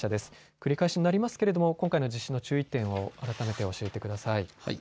繰り返しになりますけれども、今回の地震の注意点を改めて教えてください。